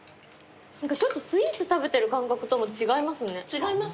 ちょっとスイーツ食べてる感覚とも違いますね。